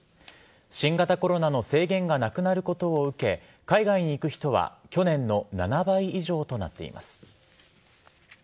新型コロナの制限がなくなることを受け海外に行く人は去年の７倍以上となっています。